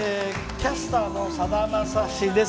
キャスターのさだまさしです。